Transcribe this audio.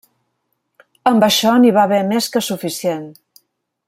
Amb això n'hi va haver més que suficient.